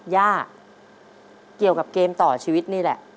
ย่าเกี่ยวกับเกมต่อชีวิตนี่แหละ